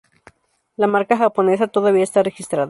La marca japonesa todavía está registrada.